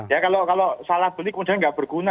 ya kalau salah beli kemudian nggak berguna